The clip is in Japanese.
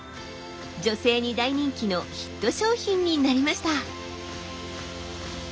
女性に大人気のヒット商品になりました。